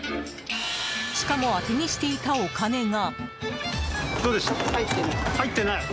しかも、当てにしていたお金が。